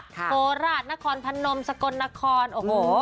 โคราชนครพนมสกลนครโอ้โห